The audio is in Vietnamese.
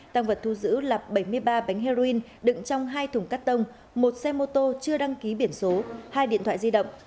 tăng vật thu giữ là bảy mươi ba bánh heroin đựng trong hai thùng cắt tông một xe mô tô chưa đăng ký biển số hai điện thoại di động